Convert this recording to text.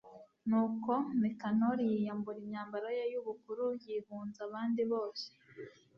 nuko nikanori yiyambura imyambaro ye y'ubukuru, yihunza abandi bose